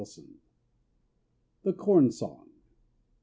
Owen. THE CORN SONG.